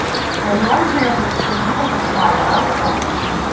Ларіон заявив, що їде до Хмари на авто.